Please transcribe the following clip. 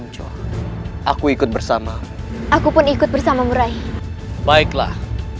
tapi ikrar sudah disampaikan